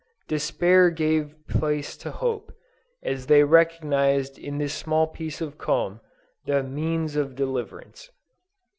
Despair gave place to hope, as they recognized in this small piece of comb, the means of deliverance.